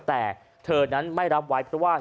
แต่เธอนั้นไม่รับไว้เพราะว่า